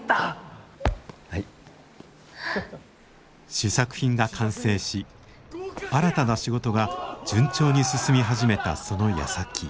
試作品が完成し新たな仕事が順調に進み始めたそのやさき。